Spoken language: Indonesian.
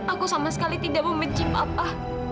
aku sama sekali tidak membenci papa